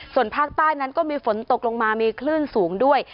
ส่วนภาคใต้นั้นก็มีฝนตกลงมามีคลื่นสูงด้วย